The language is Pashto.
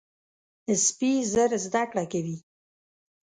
سپي ژر زده کړه کوي.